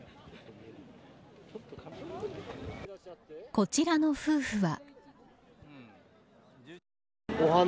こちらの夫婦は。